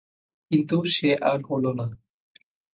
কিন্তু সে আর হল না।